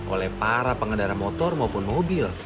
oleh para pengendara motor maupun mobil